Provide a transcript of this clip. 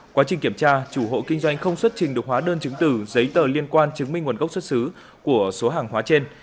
quá trình kiểm tra chủ hộ kinh doanh không xuất trình được hóa đơn chứng từ giấy tờ liên quan chứng minh nguồn gốc xuất xứ của số hàng hóa trên